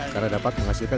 karena dapat menghasilkan zat